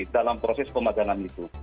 dalam proses pemajangan itu